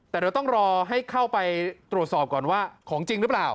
แต่เดี๋ยวต้องรอให้เข้าไปตรวจสอบก่อนว่าของจริงหรือเปล่า